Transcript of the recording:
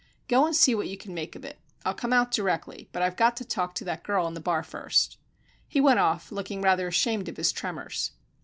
Go and see what you can make of it. I'll come out directly, but I've got to talk to that girl in the bar first." He went off, looking rather ashamed of his tremors.